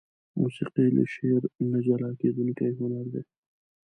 موسيقي له شعر نه جلاکيدونکى هنر دى.